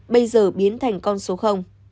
bây giờ biến thành con số